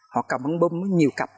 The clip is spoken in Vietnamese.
họ cầm ông bâm nhiều cặp